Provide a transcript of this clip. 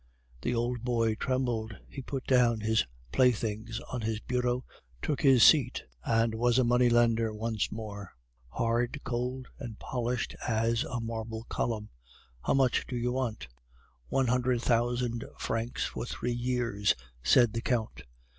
"The old boy trembled. He put down his playthings on his bureau, took his seat, and was a money lender once more hard, cold, and polished as a marble column. "'How much do you want?' "'One hundred thousand francs for three years,' said the Count.